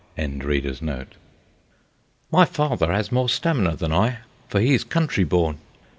THE HUNGER WAIL "My father has more stamina than I, for he is country born."